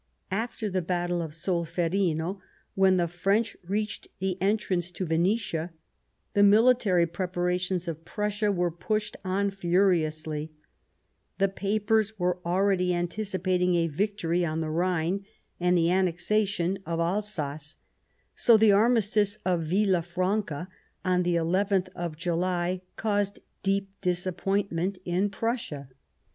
After the Battle of Solferino, when the French reached the entrance to Venetia, the military preparations of Prussia were pushed on furiously ; the papers were already anticipating a victory on the Rhine and the annexation of Alsace ; so the Armistice of Villafranca, on the nth of July, caused deep disappointment in Prussia.